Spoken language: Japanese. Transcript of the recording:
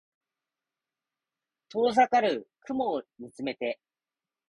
遠ざかる雲を見つめて